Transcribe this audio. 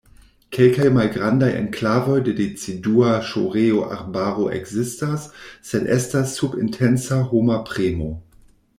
Kelkaj malgrandaj enklavoj de decidua ŝoreo-arbaro ekzistas, sed estas sub intensa homa premo.